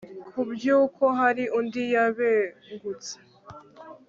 ku bw'uko hari undi yabengutse